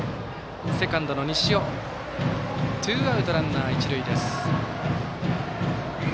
セカンドの西尾つかんでツーアウト、ランナー、一塁です。